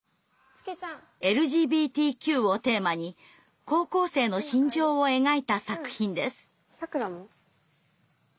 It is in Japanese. ＬＧＢＴＱをテーマに高校生の心情を描いた作品です。